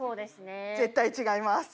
絶対違います。